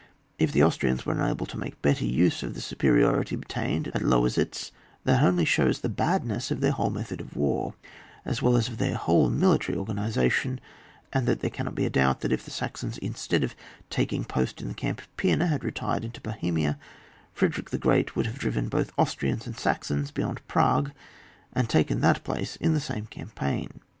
If the Austrians were unable to make better use of the superiority obtained at Lowo sitz, that only shows the badness of their whole method of war, as well as of their whole military organisation ; and there cannot be a doubt that if the Saxons in stead of taking post in the camp at Pima bad retired into Bohemia, Frederick the Great would have driven both Austrians and Saxons beyond Prague, and taken that place in the same campaign.